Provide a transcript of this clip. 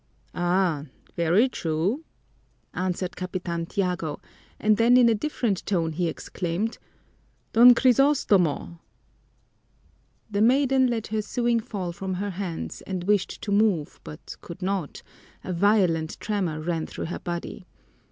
"Ah, very true," answered Capitan Tiago, and then in a different tone he exclaimed, "Don Crisostomo!" The maiden let her sewing fall from her hands and wished to move but could not a violent tremor ran through her body.